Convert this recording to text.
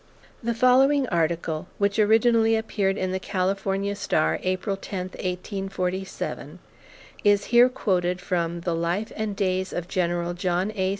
The following article, which originally appeared in The California Star, April 10, 1847, is here quoted from "The Life and Days of General John A.